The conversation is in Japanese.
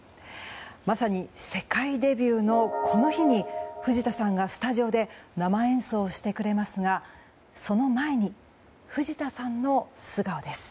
まさに世界デビューのこの日に藤田さんがスタジオで生演奏してくれますがその前に藤田さんの素顔です。